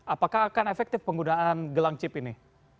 apakah akan efektif penggunaan gelang chip ini